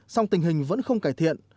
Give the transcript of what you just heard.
song tình hình vẫn không cải thiện